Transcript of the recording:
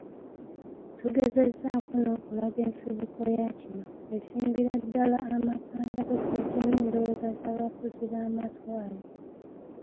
Tugezezzaako n'okulaga ensibuko ya kino. Esimbira ddala amakanda ku kujja n'endowooza z'abafuzi b'amatwale.